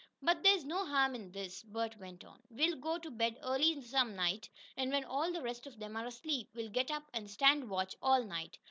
"But there's no harm in this," Bert went on. "We'll go to bed early some night, and, when all the rest of them are asleep, we'll get up and stand watch all night.